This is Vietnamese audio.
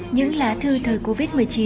những lá thư thời covid một mươi chín